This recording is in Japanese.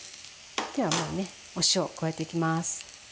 ではもうねお塩加えていきます。